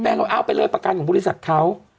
ก็เอาไปเลยประกันของบริษัทเขา